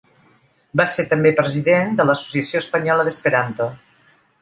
Va ser també president de l'Associació Espanyola d'Esperanto.